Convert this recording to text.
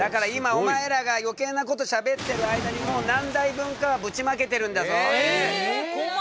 お前らがよけいなことをしゃべってる間にもう何台分かぶちまけてるんだぞ。